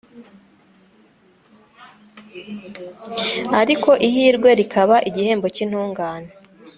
ariko ihirwe rikaba igihembo cy'intungane